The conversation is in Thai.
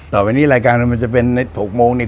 ต่อไปนี้รายการมันจะเป็นใน๖โมงเนี่ย